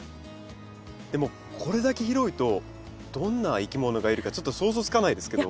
でもこれだけ広いとどんないきものがいるかちょっと想像つかないですけど。